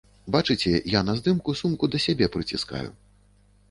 Бачыце, я на здымку сумку да сябе прыціскаю.